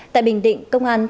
tại bình định công an tp hcm